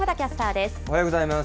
おはようございます。